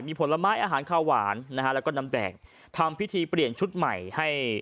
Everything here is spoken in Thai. มีผลไม้อาหารข้าวหวานนะฮะแล้วก็น้ำแดงทำพิธีเปลี่ยนชุดใหม่ให้